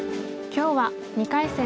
今日は２回戦